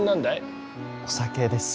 お酒です。